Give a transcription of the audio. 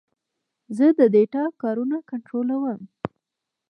زه د ډیټا کارونه کنټرولوم.